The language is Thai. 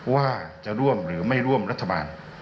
ว่าจะร่วมหรือไม่ร่วมรัฐบาล